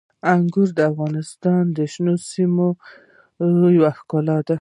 انګور د افغانستان د شنو سیمو یوه ښکلا ده.